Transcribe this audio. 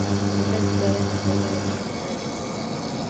Está situada al borde de la avenida de Pizarro.